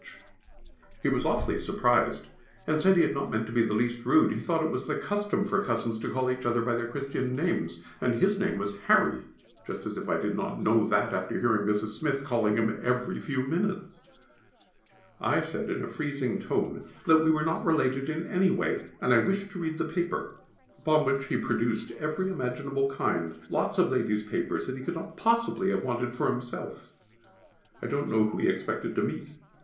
[Sidenote: Lord Valmond Presumes] He was awfully surprised, and said he had not meant to be the least rude; he thought it was the custom for cousins to call each other by their Christian names, and his name was Harry. (Just as if I did not know that, after hearing Mrs. Smith calling him every few minutes!) I said in a freezing tone we were not related in any way, and I wished to read the paper, upon which he produced every imaginable kind, lots of ladies' papers that he could not possibly have wanted for himself. I don't know who he expected to meet.